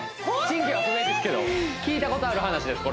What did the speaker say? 真偽は不明ですけど聞いたことある話です